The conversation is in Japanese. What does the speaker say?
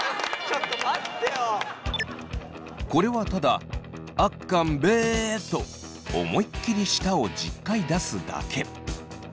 これはただあっかんべぇーと思いっきり舌を１０回出すだけ！